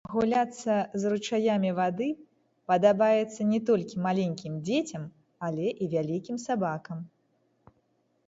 Гуляцца з ручаямі вады падабаецца не толькі маленькім дзецям, але і вялікім сабакам.